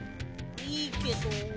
いいけど。